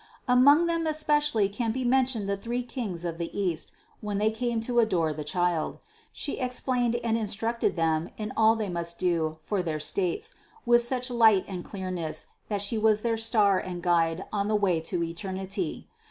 Among them especially can be mentioned the three Kings of the East, when they came to adore the Child. She explained and instructed them in all that they must do for their states, with such light and clearness that She was their star and guide on the way to eternity.